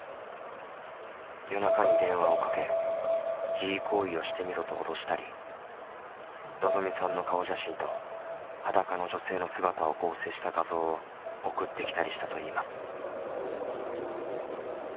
夜中に電話をかけ自慰行為をしてみろと脅したりのぞみさんの顔写真と裸の女性の姿を合成した画像を送ってきたりしたといいます。